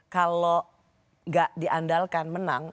kalo gak diandalkan menang